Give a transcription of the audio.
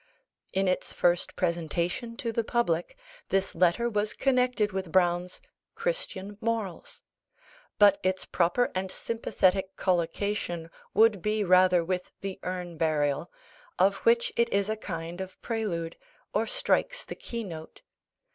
In its first presentation to the public this letter was connected with Browne's Christian Morals; but its proper and sympathetic collocation would be rather with the Urn Burial, of which it is a kind of prelude, or strikes the keynote.